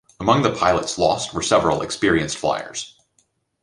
Among the pilots lost were several experienced fliers.